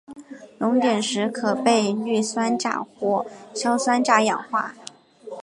熔点时可被氯酸钾或硝酸钾氧化。